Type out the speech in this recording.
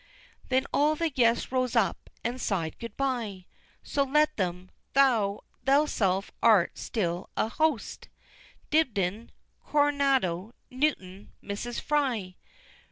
Then all the guests rose up, and sighed good bye! So let them: thou thyself art still a Host! Dibdin Cornaro Newton Mrs. Fry!